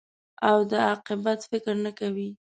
او د عاقبت فکر نه کوې.